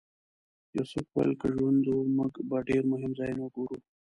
یوسف وویل که ژوند و موږ به ډېر مهم ځایونه وګورو.